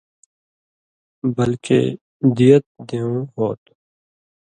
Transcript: بلکے دیت دیوں ہو تُھو۔